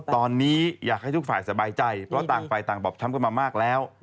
ตอนนี้อยากให้ทุกฝ่ายสบายใจเพราะต่างฝ่ายต่างบอบช้ำกันมามากแล้ว